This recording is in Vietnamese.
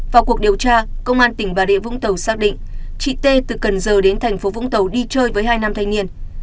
vào cuộc điều tra công an tỉnh bà rịa vũng tàu xác định chị t từ cần giờ đến thành phố vũng tàu đi chơi với hai nam thanh niên